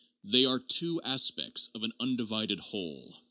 They are two aspects of an undivided whole.